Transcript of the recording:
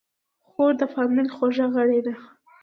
خور د فامیل خوږه غړي ده.